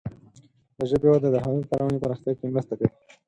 د ژبې وده د هغه کارونې پراختیا کې مرسته کوي.